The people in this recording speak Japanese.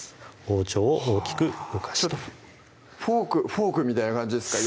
包丁を大きく動かしてフォークみたいな感じですか？